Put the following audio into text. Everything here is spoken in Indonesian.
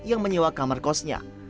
yang menyewakan perawatnya